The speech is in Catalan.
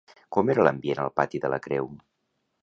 Com era l'ambient al pati de la Creu?